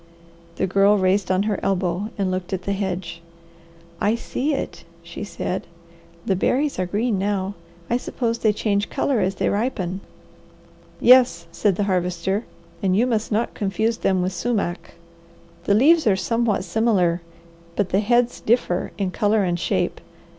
The Girl raised on her elbow and looked at the hedge. "I see it," she said. "The berries are green now. I suppose they change colour as they ripen." "Yes," said the Harvester. "And you must not confuse them with sumac. The leaves are somewhat similar, but the heads differ in colour and shape.